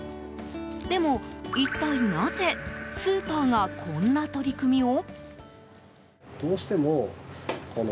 でも、一体なぜスーパーがこんな取り組みを？